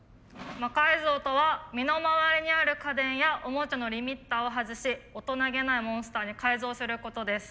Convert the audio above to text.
魔改造とは身の回りにある家電やオモチャのリミッターを外し大人気ないモンスターに改造することです。